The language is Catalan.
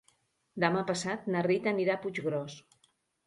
Demà passat na Rita anirà a Puiggròs.